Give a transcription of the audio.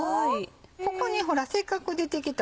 ここにほらせっかく出てきた